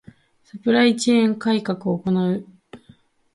ⅱ サプライチェーン改革を行う